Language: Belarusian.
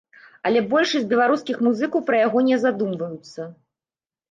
Але большасць беларускіх музыкаў пра яго не задумваецца.